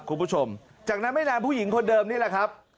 คุณผู้ชมจากนั้นไม่นานผู้หญิงคนเดิมนี่แหละครับ